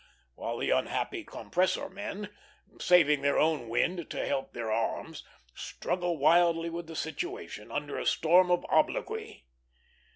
while the unhappy compressor men, saving their own wind to help their arms, struggle wildly with the situation, under a storm of obloquy.